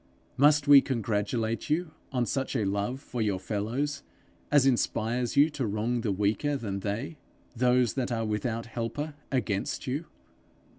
Must we congratulate you on such a love for your fellows as inspires you to wrong the weaker than they, those that are without helper against you?